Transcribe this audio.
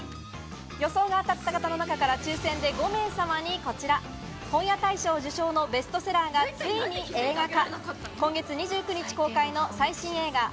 予想が当たった方の中から抽選で５名様にこちら、本屋大賞受賞のベストセラーがついに映画化。